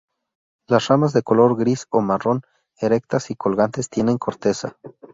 Las ramas de color gris o marrón, erectas y colgantes tienen corteza.